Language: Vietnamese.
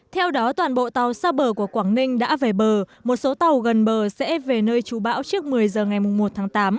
theo đó toàn bộ tàu xa bờ của quảng ninh đã về bờ một số tàu gần bờ sẽ về nơi trụ bão trước một mươi giờ ngày một tháng tám